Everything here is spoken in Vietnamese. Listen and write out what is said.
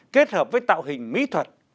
kết hợp với tạo hình mỹ thuật